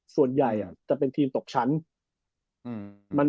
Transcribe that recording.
ส่วนใหญ่จะเป็นทีมตกชั้น